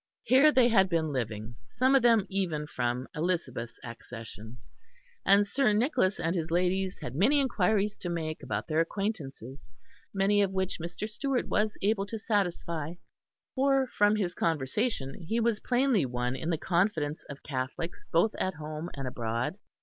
Here they had been living, some of them even from Elizabeth's accession, and Sir Nicholas and his ladies had many inquiries to make about their acquaintances, many of which Mr. Stewart was able to satisfy, for, from his conversation he was plainly one in the confidence of Catholics both at home and abroad.